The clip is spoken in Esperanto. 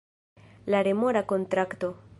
La remora kontrakto